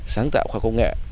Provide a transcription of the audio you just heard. sáng tạo khoa công nghệ